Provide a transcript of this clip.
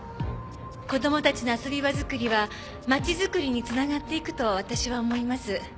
「子供たちの遊び場作りは町づくりにつながっていくと私は思います」